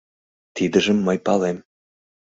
Тидыжым мый палем!